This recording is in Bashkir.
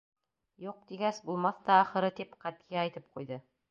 Юҡ, тигәс, булмаҫ та ахыры, тип ҡәтғи әйтеп ҡуйҙы.